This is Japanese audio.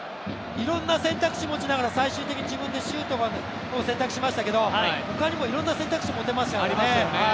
いろんな選択肢を持ちながら最後は自分でシュートの選択をしましたけど他にもいろんな選択肢が持てましたからね。